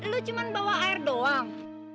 lu cuma bawa air doang